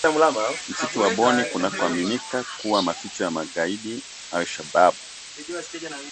Msitu wa Boni kunakoaminika kuwa maficho ya magaidi Alshabab